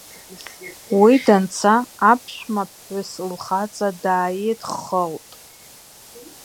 Уи данца, аԥшәма ԥҳәыс лхаҵа дааидххылт.